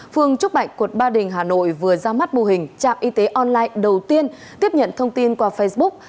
phương trúc bạch quận ba đình hà nội vừa ra mắt mô hình trạm y tế online đầu tiên tiếp nhận thông tin qua facebook